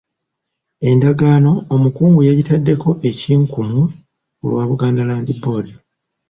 Endagaano omukungu yagitaddeko ekinkumu ku lwa Buganda Land Board.